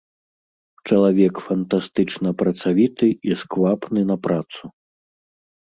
Чалавек фантастычна працавіты і сквапны на працу.